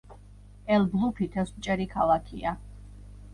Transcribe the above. ელ-ბლუფი თევზმჭერი ქალაქია.